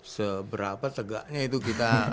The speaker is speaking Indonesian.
seberapa tegaknya itu kita